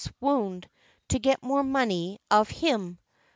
's wound, to get more money of him."